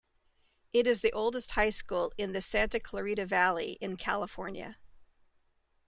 It is the oldest high school in the Santa Clarita Valley in California.